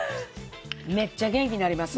めっちゃ元気になります。